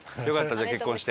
じゃあ結婚して。